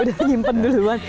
udah nyimpen duluan